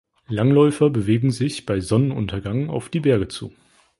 Langläufer bewegen sich bei Sonnenuntergang auf die Berge zu.